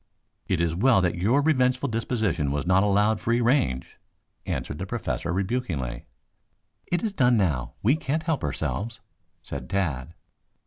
"It is well that your revengeful disposition was not allowed free range," answered the Professor rebukingly. "It is done now. We can't help ourselves," said Tad.